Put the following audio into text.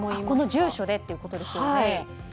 住所でということですよね。